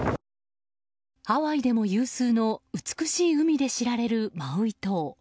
ハワイでも有数の美しい海で知られるマウイ島。